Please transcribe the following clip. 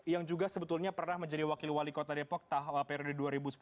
yang juga sebetulnya pernah menjadi wakil wali kota depok periode dua ribu sepuluh dua ribu